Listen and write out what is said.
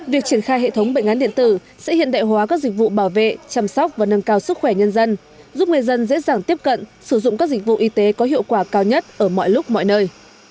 việc triển khai hệ thống bệnh án điện tử sẽ hiện đại hóa các dịch vụ bảo vệ chăm sóc và nâng cao sức khỏe nhân dân giúp người dân dễ dàng tiếp cận sử dụng các dịch vụ y tế có hiệu quả cao nhất ở mọi lúc mọi nơi